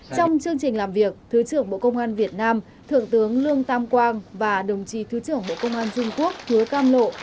trong chương trình làm việc thứ trưởng bộ công an việt nam thượng tướng lương tam quang và đồng chí thứ trưởng bộ công an trung quốc hứa cam lộ